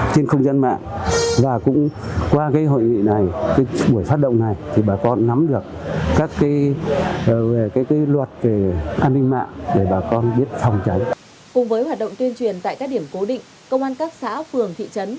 cùng với hoạt động tuyên truyền tại các điểm cố định công an các xã phường thị trấn